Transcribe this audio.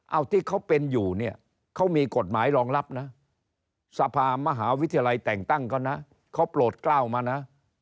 เอาที่เขาเป็นอยู่เนี่ยเขามีกฎหมายรองรับนะสภามหาวิทยาลัยแต่งตั้งเขานะเขาโปรดกล้าวมานะ